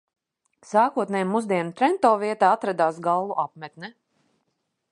Sākotnēji mūsdienu Trento vietā atradās gallu apmetne.